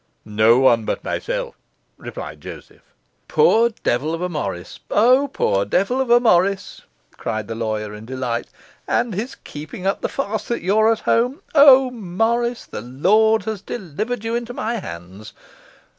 'No one but myself,' replied Joseph. 'Poor devil of a Morris! O, poor devil of a Morris!' cried the lawyer in delight. 'And his keeping up the farce that you're at home! O, Morris, the Lord has delivered you into my hands!